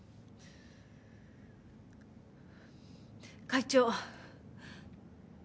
会長。